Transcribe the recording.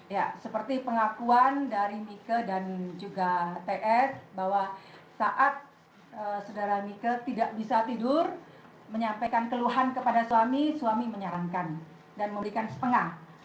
ya seperti pengakuan dari mika dan juga ts bahwa saat saudara mike tidak bisa tidur menyampaikan keluhan kepada suami suami menyarankan dan memberikan setengah